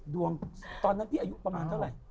ตอนนั้นพี่อายุประมาณเท่าไหร่